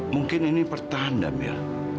mungkin ini pertanda mel